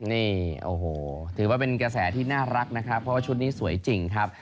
นี่โอ้โหถือว่าเป็นกระแสที่น่ารักนะครับเพราะว่าชุดนี้สวยจริงครับ